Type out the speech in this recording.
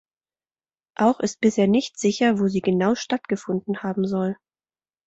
Auch ist bisher nicht sicher, wo sie genau stattgefunden haben soll.